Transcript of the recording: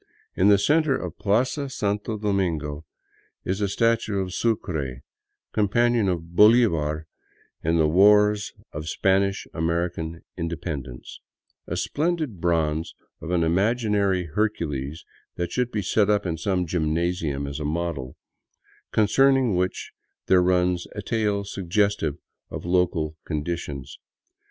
In the center of the Plaza Santo Domingo is a statue of Sucre, companion of Bolivar in the wars of Spanish American independence, — a splendid bronze of an imaginary Hercules that should be set up in some gymnasium as a model — concerning which there runs a tale suggestive of local con ditions.